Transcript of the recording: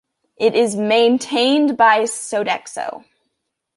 It is maintained by Sodexo.